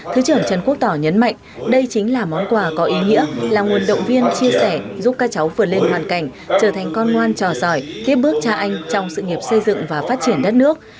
thứ trưởng trần quốc tỏ nhấn mạnh đây chính là món quà có ý nghĩa là nguồn động viên chia sẻ giúp các cháu vượt lên hoàn cảnh trở thành con ngoan trò giỏi tiếp bước cha anh trong sự nghiệp xây dựng và phát triển đất nước